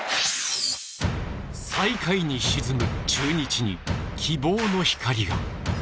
最下位に沈む中日に希望の光が。